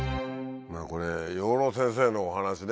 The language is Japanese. これ養老先生のお話ね